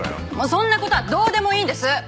そんな事はどうでもいいんです！